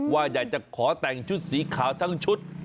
ว่าอยากจะขอแต่งชุดสีขาวทั้งชุด